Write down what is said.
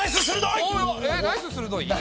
えっナイスするどい？